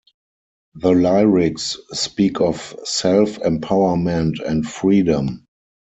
The lyrics speak of self-empowerment and freedom.